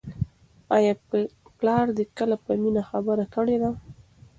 آیا پلار دې کله په مینه خبره کړې ده؟